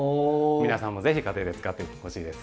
皆さんもぜひ家庭で使ってほしいです。